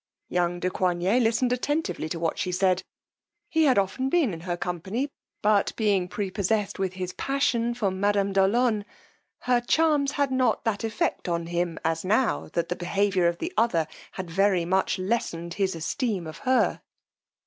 Young de Coigney listened attentively to what she said: he had often been in her company, but being prepossessed with his passion for madame de Olonne, her charms had not that effect on him as now that the behaviour of the other had very much lessened his esteem of her.